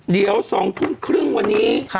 เดี๋ยว๒ทุ่มครึ่งวันนี้